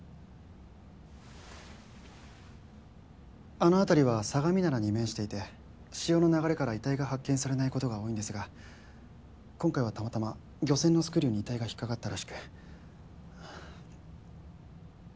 あの辺りは相模灘に面していて潮の流れから遺体が発見されないことが多いんですが今回はたまたま漁船のスクリューに遺体が引っかかったらしく。